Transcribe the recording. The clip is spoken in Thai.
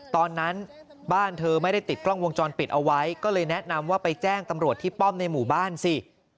ตอนนั้นบ้านเธอไม่ได้ติดกล้องวงจรปิดเอาไว้ก็เลยแนะนำว่าไปแจ้งตำรวจที่ป้อมในหมู่บ้านสิ